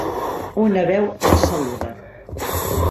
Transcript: Una veu el saluda.